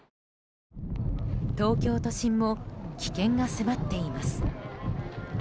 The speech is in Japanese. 東京都心も危険が迫っています。